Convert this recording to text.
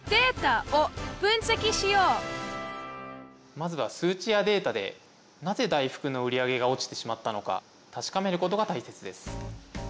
まずは数値やデータでなぜ大福の売り上げが落ちてしまったのか確かめることがたいせつです。